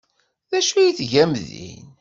D acu ay tgam din?